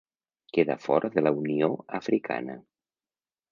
Queda fora la Unió Africana.